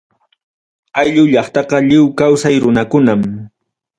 Ayllu llaqtaqa, lliw kawsay runakunam.